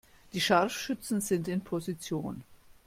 Die Scharfschützen sind in Position.